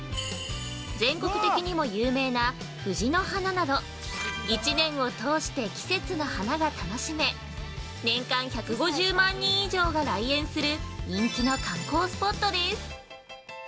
全国的にも有名な藤の花など１年を通して季節の花が楽しめ、年間１５０万人以上が来園する人気の観光スポットです。